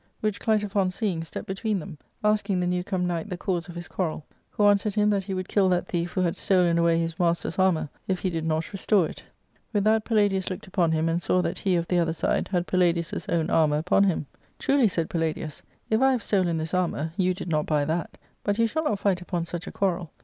Which Clitophon seeing, stepped between them, asking the newcome knight the cause of his quarrel, who answered him that he would kill that thief, who had stolen away his master's armour, if he did not restore it. With that Palladius looked upon him and saw that he of the other side had Palladius' own armour upon him. "Truly," said Palladius, "if I have stolen this armour, you did not buy that ; but you shall not fight upon such a quarrel.